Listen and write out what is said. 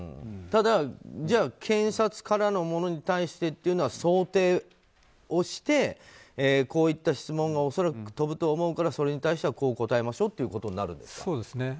ただ検察からのものに対しては想定をして、こういった質問が恐らく飛ぶと思うからそれに対してはこう答えましょうということになるんですか。